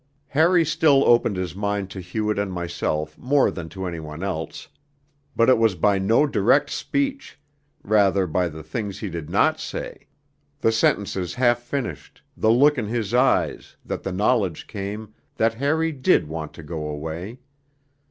Harry still opened his mind to Hewett and myself more than to any one else, but it was by no direct speech, rather by the things he did not say, the sentences half finished, the look in his eyes, that the knowledge came that Harry did want to go away.